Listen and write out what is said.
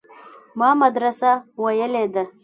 ما مدرسه ويلې ده.